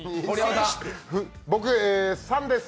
僕、３です。